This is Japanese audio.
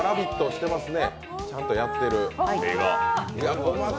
してますねちゃんとやってる。